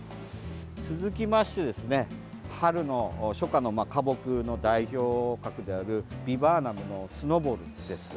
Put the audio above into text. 続きましてですね春の初夏の花木の代表格であるビバーナムのスノーボールです。